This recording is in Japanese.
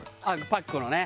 パックのね？